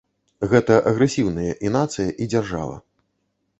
Гэта агрэсіўныя і нацыя, і дзяржава.